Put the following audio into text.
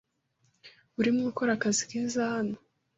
Urimo ukora akazi keza hano.